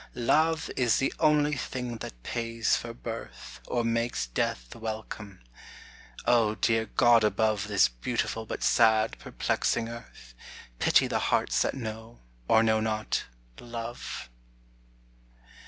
Love is the only thing that pays for birth, Or makes death welcome. Oh, dear God above This beautiful but sad, perplexing earth, Pity the hearts that know or know not Love!